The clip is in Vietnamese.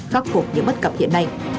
khắc cục những bất cập hiện nay